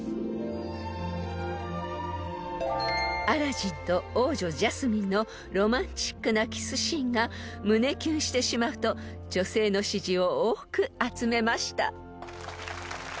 ［アラジンと王女ジャスミンのロマンチックなキスシーンが胸キュンしてしまうと女性の支持を多く集めました］